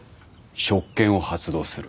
職権を発動する。